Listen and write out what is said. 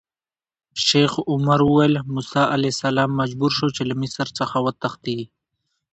شیخ عمر ویل: موسی علیه السلام مجبور شو چې له مصر څخه وتښتي.